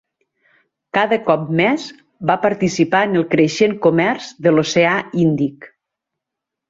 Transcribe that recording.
Cada cop més va participar en el creixent comerç de l'Oceà Índic.